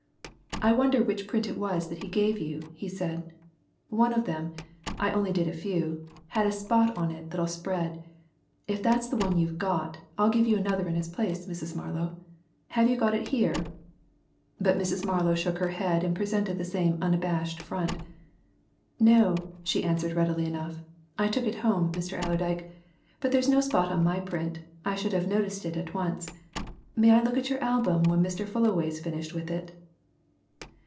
"I wonder which print it was that he gave you?" he said. "One of them I only did a few had a spot in it that'll spread. If that's the one you've got, I'll give you another in its place, Mrs. Marlow. Have you got it here?" But Mrs. Marlow shook her head and presented the same unabashed front. "No," she answered readily enough. "I took it home, Mr. Allerdyke. But there's no spot on my print I should have noticed it at once. May I look at your album when Mr. Fullaway's finished with it?"